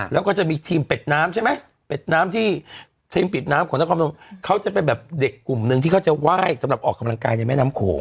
แล้วก็จะมีทีมเป็ดน้ำใช่ไหมเป็ดน้ำที่ทีมเป็ดน้ำของนครพนมเขาจะเป็นแบบเด็กกลุ่มหนึ่งที่เขาจะไหว้สำหรับออกกำลังกายในแม่น้ำโขง